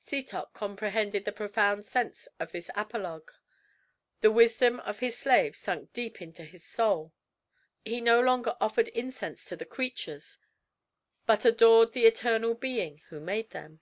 Setoc comprehended the profound sense of this apologue. The wisdom of his slave sunk deep into his soul; he no longer offered incense to the creatures, but adored the eternal Being who made them.